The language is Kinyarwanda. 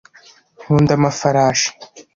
nkunda amafarashi